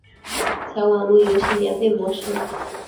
采网路游戏免费模式。